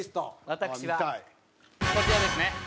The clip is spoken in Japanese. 私はこちらですね。